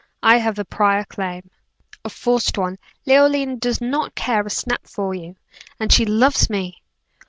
I have a prior claim." "A forced one. Leoline does not care a snap far you and she loves me."